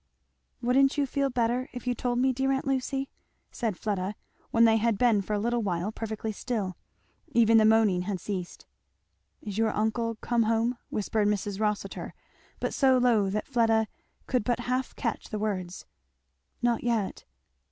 "Wouldn't you feel better if you told me, dear aunt Lucy?" said Fleda, when they had been for a little while perfectly still. Even the moaning had ceased. "Is your uncle come home?" whispered Mrs. Rossitur, but so low that Fleda could but half catch the words. "Not yet."